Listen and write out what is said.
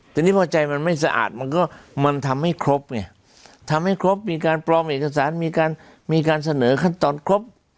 แต่นี่พอใจมันไม่สะอาดมันก็มันทำให้ครบไงทำให้ครบมีการปลอมเอกสารมีการมีการเสนอขั้นตอนครบ